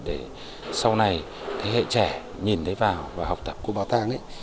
để sau này thế hệ trẻ nhìn thấy vào và học tập của bảo tàng